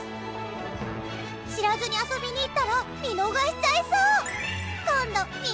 知らずに遊びに行ったら見逃しちゃいそう！